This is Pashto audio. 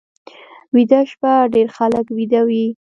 ویده شپه ډېر خلک ویده وي